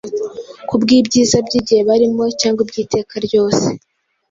kubw’ibyiza by’igihe barimo cyangwa iby’iteka ryose.